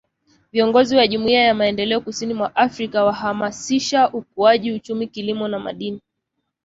Viongozi wa Jumuiya ya Maendeleo Kusini mwa Afrika wahamasisha ukuaji uchumi Kilimo na Madini